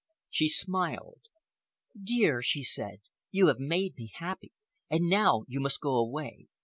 She smiled. "Dear," she said, "you have made me happy. And now you must go away.